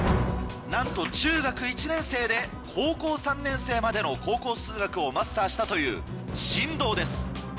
なんと中学１年生で高校３年生までの高校数学をマスターしたという神童です。